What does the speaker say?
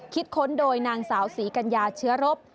ค้นโดยนางสาวศรีกัญญาเชื้อรบ